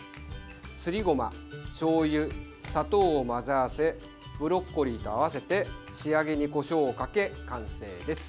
すりごま、しょうゆ砂糖を混ぜ合わせブロッコリーと合わせて仕上げにこしょうをかけ完成です。